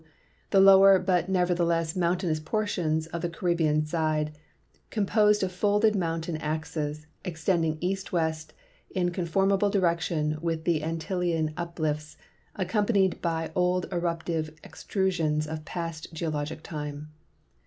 The lower but nevertheless mountainous iiortions of the Caribbean side, composed of folded mountain axes extending east west in conformable direction with the Antillean uplifts, accompanied by old eruptive extrusions of past geologic time.